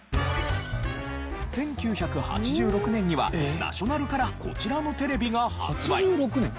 １９８６年にはナショナルからこちらのテレビが発売。